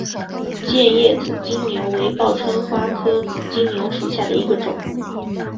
剑叶紫金牛为报春花科紫金牛属下的一个种。